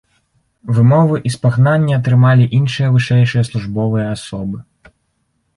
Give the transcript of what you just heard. Вымовы і спагнанні атрымалі іншыя вышэйшыя службовыя асобы.